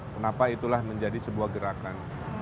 kenapa itulah menjadi sebuah gerakan